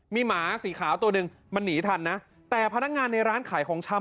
มีหมาสีขาวตัวหนึ่งมันหนีทันนะแต่พนักงานในร้านขายของชำ